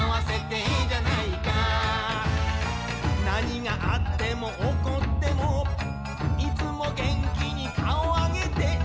「何があっても起こっても」「いつも元気に顔上げて」